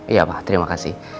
iya pak terima kasih